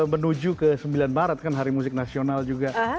menuju ke sembilan maret kan hari musik nasional juga